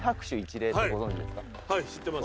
はい知ってます。